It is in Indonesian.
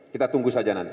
kita tunggu saja nanti